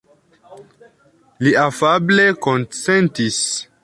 Li afable konsentis.